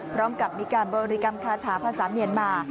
พร้อมกับมีการบริกรรมคาถาภาษาเมียนมา